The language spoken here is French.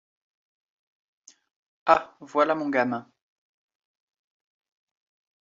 Ah, voilà mon gamin !